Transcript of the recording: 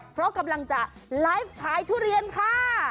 เพราะกำลังจะไลฟ์ขายทุเรียนค่ะ